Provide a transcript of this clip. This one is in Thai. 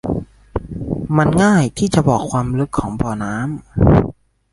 มันง่ายที่จะบอกความลึกของบ่อน้ำ